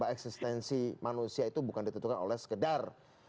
eksistensi manusia itu bukan ditentukan oleh sekedar